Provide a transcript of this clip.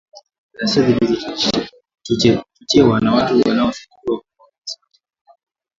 ghasia zilizochochewa na watu wanaoshukiwa kuwa wafuasi wa chama tawala